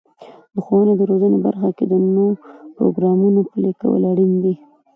د ښوونې او روزنې برخه کې د نوو پروګرامونو پلي کول اړین دي.